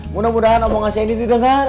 mudah mudahan omongan saya ini didengar